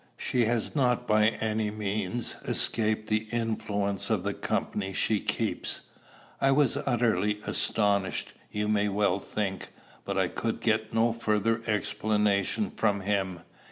She has not by any means escaped the influence of the company she keeps.' I was utterly astonished, you may well think; but I could get no further explanation from him.